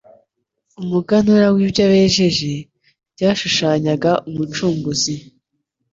umuganura w'ibyo bejeje, byashushanyaga Umucunguzi.